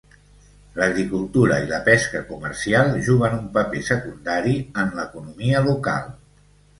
L'agricultura i la pesca comercial juguen un paper secundari en l'economia local.